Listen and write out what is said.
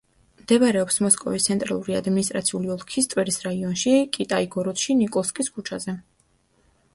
მდებარეობს მოსკოვის ცენტრალური ადმინისტრაციული ოლქის ტვერის რაიონში, კიტაი-გოროდში, ნიკოლსკის ქუჩაზე.